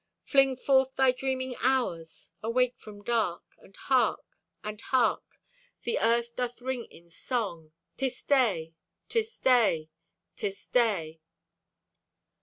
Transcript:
Fling forth thy dreaming hours! Awake from dark! And hark! And hark! The Earth doth ring in song! 'Tis Day! 'Tis Day! 'Tis Day!